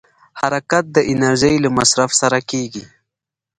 حرکت د انرژۍ له مصرف سره کېږي.